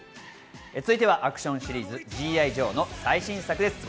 続いてアクションシリーズ『Ｇ．Ｉ．ジョー』の最新作です。